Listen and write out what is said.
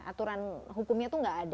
aturan hukumnya tuh gak ada